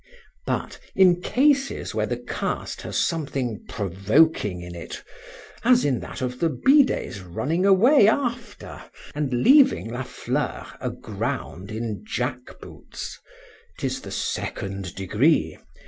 But, in cases where the cast has something provoking in it, as in that of the bidet's running away after, and leaving La Fleur aground in jack boots,—'tis the second degree.